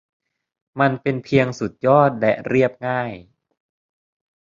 มันเป็นเพียงสุดยอดและเรียบง่าย